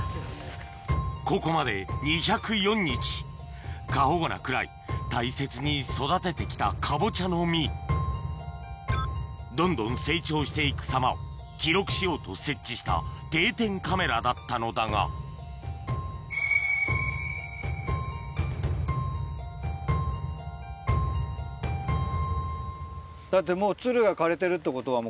ここまで２０４日過保護なくらい大切に育てて来たカボチャの実どんどん成長して行く様を記録しようと設置した定点カメラだったのだがだってもう。